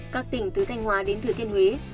các tỉnh từ thanh hóa đến thừa thiên huế